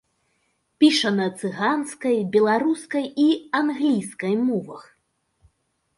Піша на цыганскай, беларускай і англійскай мовах.